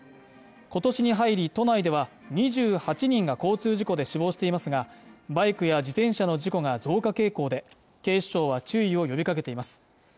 今年に入り都内では２８人が交通事故で死亡していますがバイクや自転車の事故が増加傾向で警視庁は注意を呼びかけています